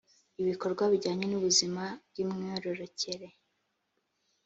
ibikorwa bijyanye n ubuzima bw imyororokere